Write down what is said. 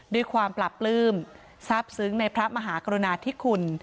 ด้วยความปราบปลื้มทราบซึ้งในพระมหากรุณาธิคุณ